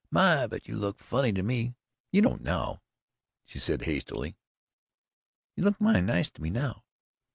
My, but you looked funny to me! You don't now," she added hastily. "You look mighty nice to me now